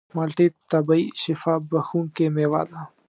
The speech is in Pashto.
مالټې طبیعي شفا بښونکې مېوه ده.